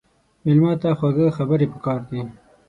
مېلمه ته خواږه خبرې پکار دي.